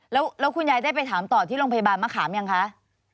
แล้วคุณยายได้ไปถามต่อที่โรงพยาบาลมะขามยังคะ